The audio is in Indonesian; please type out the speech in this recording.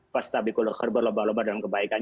pas tabi kuluk herba loba loba dalam kebaikan